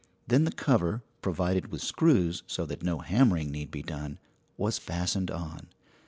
Then the cover, provided with screws so that no hammering need be done, was fastened on.